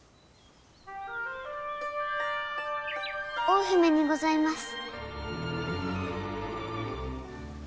大姫にございます。